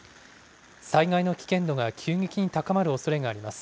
災害の危険度が急激に高まるおそれがあります。